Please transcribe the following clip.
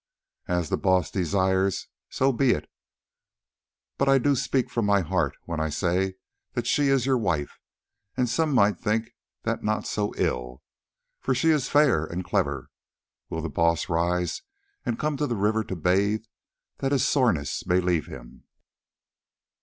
"As the Baas desires, so be it. I do but speak from my heart when I say that she is your wife, and some might think that not so ill, for she is fair and clever. Will the Baas rise and come to the river to bathe, that his soreness may leave him?"